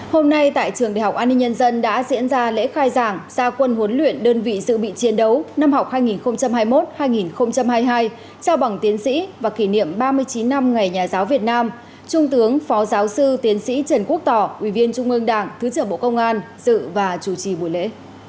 hôm nay tại trường đại học an ninh nhân dân đã diễn ra lễ khai giảng gia quân huấn luyện đơn vị dự bị chiến đấu năm học hai nghìn hai mươi một hai nghìn hai mươi hai trao bằng tiến sĩ và kỷ niệm ba mươi chín năm ngày nhà giáo việt nam trung tướng phó giáo sư tiến sĩ trần quốc tỏ ủy viên trung ương đảng thứ trưởng bộ công an dự và chủ trì buổi lễ